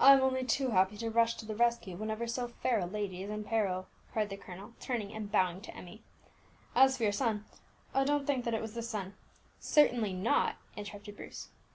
"I am only too happy to rush to the rescue whenever so fair a lady is in peril," cried the colonel, turning and bowing to Emmie. "As for your son, I don't think that it was this son " "Certainly not," interrupted Bruce.